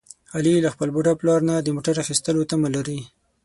علي له خپل بوډا پلار نه د موټر اخیستلو تمه لري.